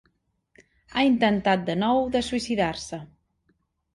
Ha intentat de nou de suïcidar-se.